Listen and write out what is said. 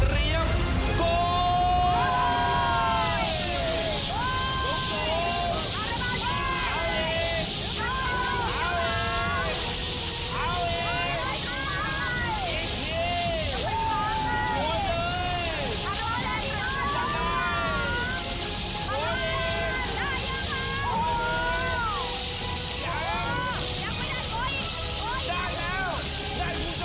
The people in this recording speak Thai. เรียกโกรธ